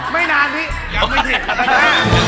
ไม่นานพี่ยังไม่เห็น